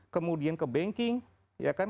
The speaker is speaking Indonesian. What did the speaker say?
kemudian ke banking ya kan